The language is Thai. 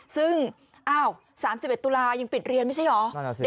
ซึ่ง๓๑ตุลายังปิดเรียนไม่ใช่เหรอ